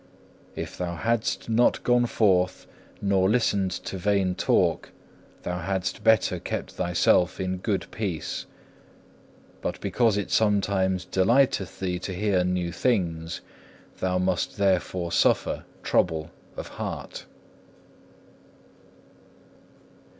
If thou hadst not gone forth nor listened to vain talk, thou hadst better kept thyself in good peace. But because it sometimes delighteth thee to hear new things, thou must therefore suffer trouble of heart.